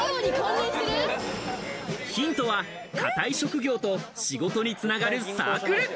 ヒントはカタい職業と仕事に繋がるサークル。